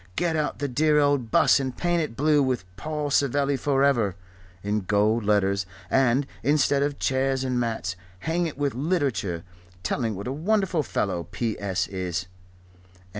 Get out the dear old 'bus and paint it blue, with 'Paul Savelli forever' in gold letters, and, instead of chairs and mats, hang it with literature, telling what a wonderful fellow P. S. is.